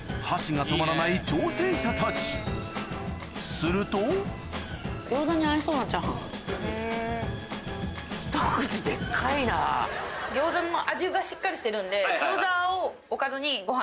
すると餃子の味がしっかりしてるんで。